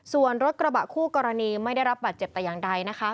ส่วนรถกระบะคู่กรณีไม่ได้รับบาดเจ็บแต่อย่างใดนะคะ